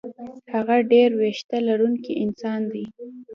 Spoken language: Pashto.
هغه ډېر وېښته لرونکی انسان دی.